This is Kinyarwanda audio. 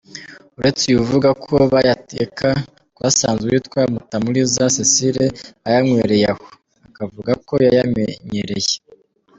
Urete uyu uvuga ko bayateka, twasanze uwitwa Mutamuriza Cecile ayanywereye aho, akavuga ko yayamenyereye.